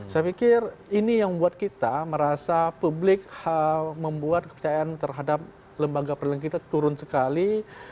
saya pikir ini yang membuat kita merasa publik membuat kepercayaan terhadap lembaga perlindungan kita turun sekali